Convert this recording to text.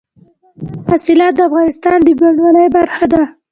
دځنګل حاصلات د افغانستان د بڼوالۍ برخه ده.